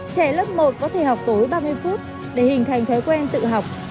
trẻ lớp một có thể học tối ba mươi phút để hình thành thói quen tự học